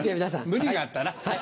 無理があったな。